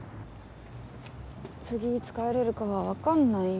次いつ帰れるかはわかんないよ。